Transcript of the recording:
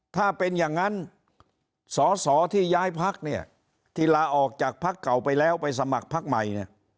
ถ้าเป็นอย่างนั้นสอสอที่ย้ายพักเนี่ยที่ลาออกจากพักเก่าไปแล้วไปสมัครพักใหม่เนี่ย